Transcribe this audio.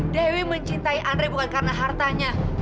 dewi mencintai andre bukan karena hartanya